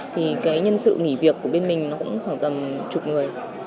thì nhân sự nghỉ việc của bên mình cũng khoảng tầm chục người